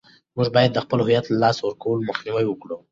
موږ باید د خپل هویت له لاسه ورکولو مخنیوی وکړو.